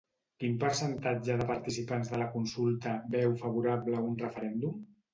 Quin percentatge de participants de la consulta veu favorable un referèndum?